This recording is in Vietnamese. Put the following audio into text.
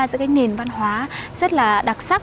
giữa nền văn hóa rất đặc sắc